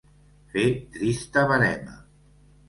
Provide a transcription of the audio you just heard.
Fer trista verema.